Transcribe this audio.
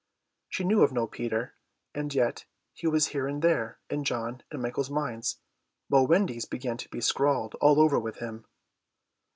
She knew of no Peter, and yet he was here and there in John and Michael's minds, while Wendy's began to be scrawled all over with him.